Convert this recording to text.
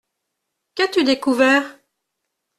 Qu’as-tu découvert ?